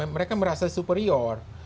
mereka merasa superior